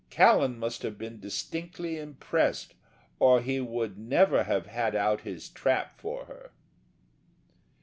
Callan must have been distinctly impressed or he would never have had out his trap for her.